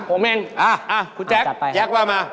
ผมเองคุณแจ๊คแจ๊คว่ามา